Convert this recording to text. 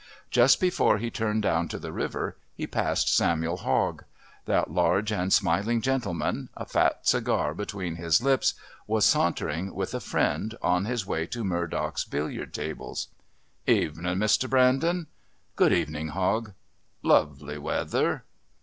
Just before he turned down to the river he passed Samuel Hogg. That large and smiling gentleman, a fat cigar between his lips, was sauntering, with a friend, on his way to Murdock's billiard tables. "Evenin', Mr. Brandon." "Good evening, Hogg." "Lovely weather."